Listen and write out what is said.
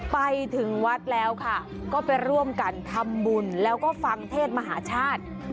ไปถึงวัดแล้วค่ะก็ไปร่วมกันทำบุญแล้วก็ฟังเทศมหาชาติ